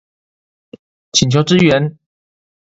請求支援